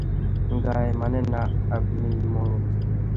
গাঁয়ে মানে না আপনি মোড়ল।